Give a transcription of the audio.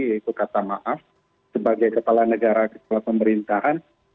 yaitu kata maaf sebagai kepala negara kepala pemerintahan